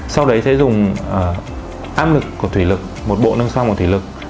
sau đấy sẽ dùng áp lực của thủy lực một bộ nâng xoang của thủy lực